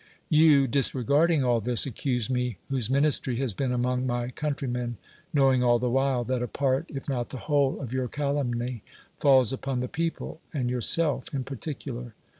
You, disregarding all this, accuse me whose ministry has been among my countrymen, knowing all the while, that a part (if not the whole) of your calumny falls upon the people, and yourself in particular.